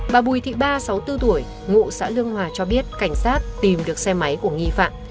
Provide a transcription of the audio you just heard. bà bùi thị ba sáu mươi bốn tuổi ngụ xã lương hòa cho biết cảnh sát tìm được xe máy của nghi phạm